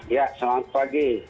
ya selamat pagi